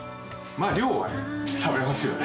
まあ量はね食べますよね。